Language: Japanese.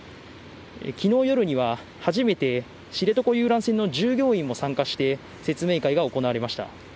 きのう夜には、初めて知床遊覧船の従業員も参加して、説明会が行われました。